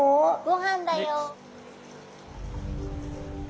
ごはんだよ。